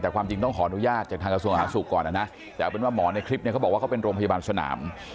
แต่ความจริงต้องขออนุญาตจากทางกระทรวงอาหารสุขก่อนนะแต่เอาเป็นว่าหมอในคลิปเนี่ยเขาบอกว่าเขาเป็นโรงพยาบาลสนาม